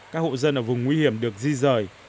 các hộ dân ở vùng nguy hiểm được di rời